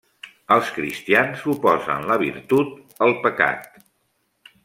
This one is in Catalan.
Els cristians oposen la virtut al pecat.